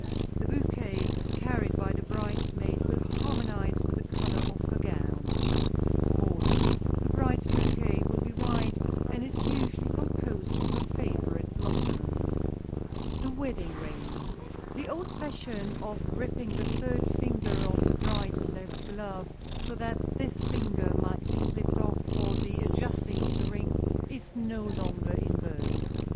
The bouquet carried by the bridesmaid will harmonize with the color of her gown. Of course, the bride's bouquet will be white, and is usually composed of her favorite blossoms. [Sidenote: THE WEDDING RING] The old fashion of ripping the third finger of the bride's left hand glove, so that this finger might be slipped off for the adjusting of the ring, is no longer in vogue.